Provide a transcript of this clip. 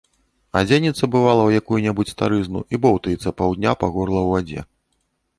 Адзенецца, бывала, у якую-небудзь старызну і боўтаецца паўдня па горла ў вадзе.